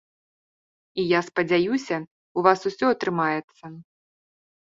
І я спадзяюся, у вас усё атрымаецца.